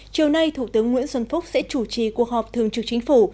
chiều nay thủ tướng nguyễn xuân phúc sẽ chủ trì cuộc họp thường trực chính phủ